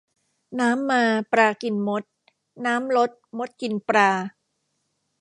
น้ำมาปลากินมด น้ำลดมดกินปลา